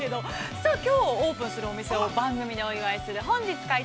さあ、きょうオープンするお店を番組でお祝いする「本日開店！！